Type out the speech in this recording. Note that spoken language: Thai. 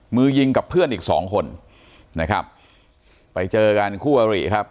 มือยิงกับเพื่อนอีกสองคนนะครับไปเจอกันคู่อริครับ